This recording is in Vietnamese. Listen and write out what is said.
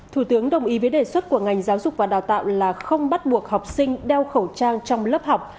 thủ tướng đồng ý với đề xuất của ngành giáo dục và đào tạo là không bắt buộc học sinh đeo khẩu trang trong lớp học